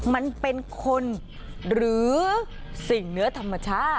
มันเป็นคนหรือสิ่งเนื้อธรรมชาติ